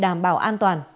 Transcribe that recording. để đảm bảo an toàn